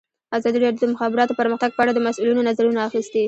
ازادي راډیو د د مخابراتو پرمختګ په اړه د مسؤلینو نظرونه اخیستي.